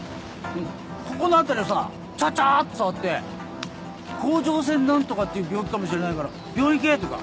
ここの辺りをさちゃちゃーっと触って甲状腺何とかっていう病気かもしれないから病院行けとか。